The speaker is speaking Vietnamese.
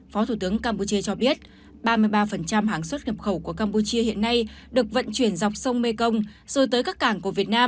phó thủ tướng campuchia cho biết ba mươi ba hàng xuất nhập khẩu của campuchia hiện nay được vận chuyển dọc sông mekong rồi tới các cảng của việt nam